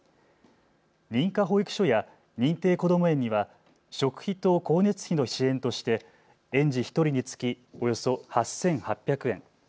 認可保育所や認定こども園には食費と光熱費の支援として園児１人につきおよそ８８００円。